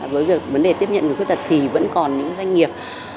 với vấn đề tiếp nhận người khuất tật thì vẫn còn những doanh nghiệp